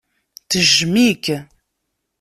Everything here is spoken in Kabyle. Tejjem-ik.